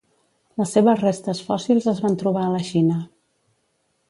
Les seves restes fòssils es van trobar a la Xina.